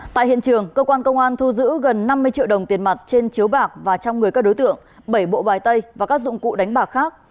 tại hiện trường cơ quan công an thu giữ gần năm mươi triệu đồng tiền mặt trên chiếu bạc và trong người các đối tượng bảy bộ bài tay và các dụng cụ đánh bạc khác